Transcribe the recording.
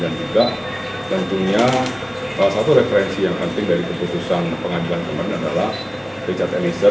dan juga tentunya salah satu referensi yang penting dari keputusan pengadilan kemarin adalah richard ilyasar